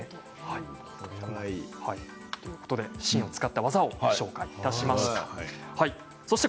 芯を使った技をご紹介しました。